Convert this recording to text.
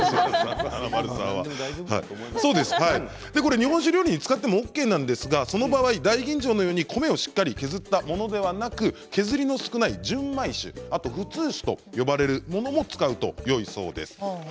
日本酒、料理に使ってＯＫなんですがその場合、大吟醸のよう米をしっかり削ったものではなく削りの少ない純米酒あとは普通酒と呼ばれるものを使うといいそうです。